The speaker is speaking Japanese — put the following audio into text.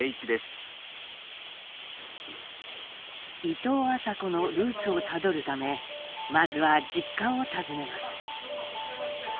「伊藤麻子」のルーツをたどるためまずは実家を訪ねます。